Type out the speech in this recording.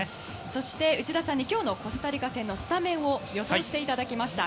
そして内田さんに今日のコスタリカ戦のスタメンを予想していただきました。